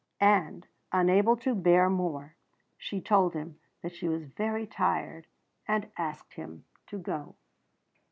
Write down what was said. And unable to bear more, she told him that she was very tired and asked him to go.